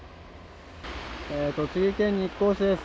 栃木県日光市です。